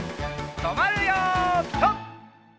とまるよピタ！